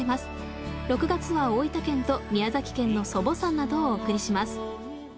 ６月は大分県と宮崎県の祖母山などをお送りします。